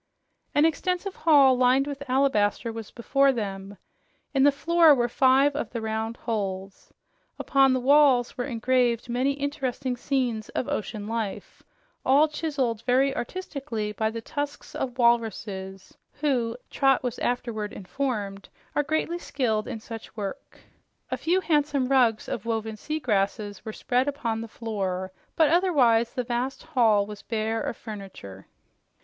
An extensive hall lined with alabaster was before them. In the floor were five of the round holes. Upon the walls were engraved many interesting scenes of ocean life, all chiseled very artistically by the tusks of walruses who, Trot was afterward informed, are greatly skilled in such work. A few handsome rugs of woven sea grasses were spread upon the floor, but otherwise the vast hall was bare of furniture.